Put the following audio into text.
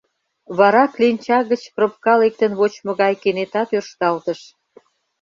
Вара кленча гыч пропка лектын вочмо гай кенета тӧршталтыш: